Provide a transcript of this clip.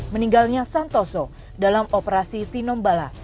meninggalnya santoso dalam operasi tinombala